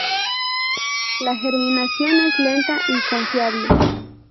La germinación es lenta y confiable.